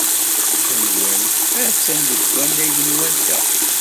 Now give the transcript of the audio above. Tanwalt attan deg wannag n wadda.